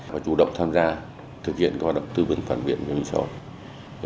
và chủ động tham gia thực hiện các hoạt động tư vấn phản biện với liên hiệp hội